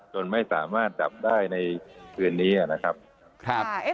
จนไม่สามารถจับได้ในเวลานี้